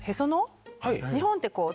日本って。